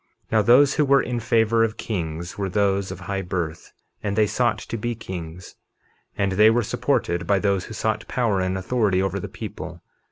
51:8 Now those who were in favor of kings were those of high birth, and they sought to be kings; and they were supported by those who sought power and authority over the people.